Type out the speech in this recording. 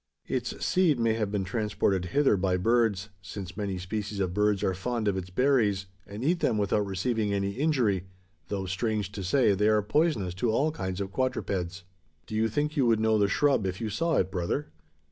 Its seed may have been transported hither by birds: since many species of birds are fond of its berries, and eat them without receiving any injury; though, strange to say, they are poisonous to all kinds of quadrupeds!" "Do you think you would know the shrub, if you saw it, brother?"